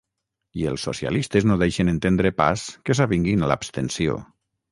I els socialistes no deixen entendre pas que s’avinguin a l’abstenció.